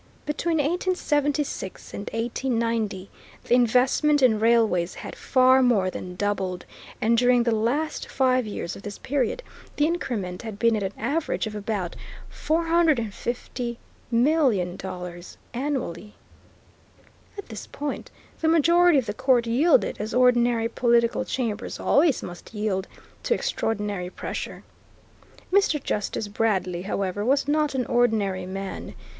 Between 1876 and 1890 the investment in railways had far more than doubled, and, during the last five years of this period, the increment had been at an average of about $450,000,000 annually. At this point the majority of the court yielded, as ordinary political chambers always must yield, to extraordinary pressure. Mr. Justice Bradley, however, was not an ordinary man.